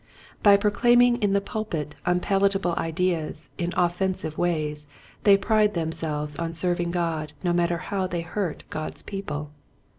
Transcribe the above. By proclaiming in the pulpit unpalatable ideas in offen sive ways they pride themselves on serv ing God no matter how they hurt God's people.